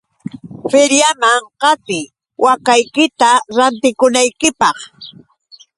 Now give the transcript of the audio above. Feriaman qatiy waakaykita rantikunaykipaq.